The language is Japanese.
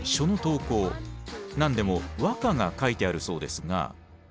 何でも和歌が書いてあるそうですが。